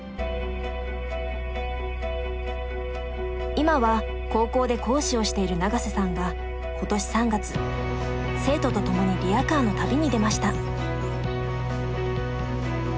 今は高校で講師をしている永瀬さんが今年３月生徒と共にリヤカーの旅に出ました。